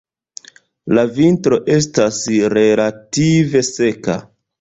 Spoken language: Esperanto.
La vintro estas relative seka.